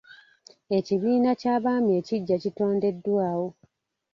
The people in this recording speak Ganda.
Ekibiina ky'abaami ekiggya kitondeddwawo.